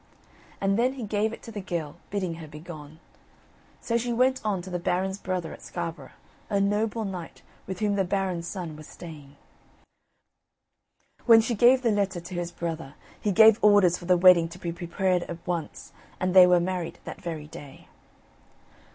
And then he gave it to the girl, bidding her begone. So she went on to the Baron's brother at Scarborough, a noble knight, with whom the Baron's son was staying. When she gave the letter to his brother, he gave orders for the wedding to be prepared at once, and they were married that very day.